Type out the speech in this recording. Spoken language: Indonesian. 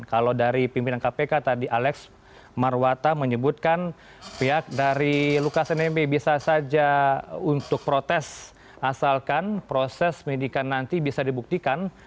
kalau dari pimpinan kpk tadi alex marwata menyebutkan pihak dari lukas nmb bisa saja untuk protes asalkan proses medikan nanti bisa dibuktikan